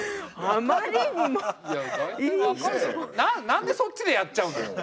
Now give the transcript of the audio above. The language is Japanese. なんでそっちでやっちゃうのよ。